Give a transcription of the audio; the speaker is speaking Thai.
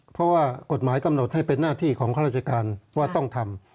เพราะว่ากฎหมายกำหนดให้เป็นหน้าที่ของข้าราชการว่าต้องทำ